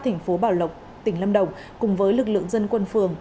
thành phố bảo lộc tỉnh lâm đồng cùng với lực lượng dân quân phường